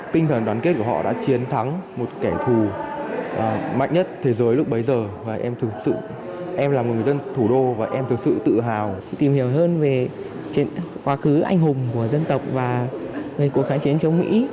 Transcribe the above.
tìm hiểu hơn về quá khứ anh hùng của dân tộc và về cuộc khả chiến chống mỹ